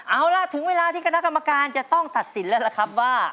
เอาล่ะถึงเวลาที่คณะกรรมการจะต้องตัดสินแล้วล่ะครับว่า